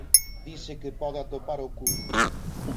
Dise que pode atopar o Cubo.